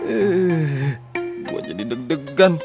eh gue jadi deg degan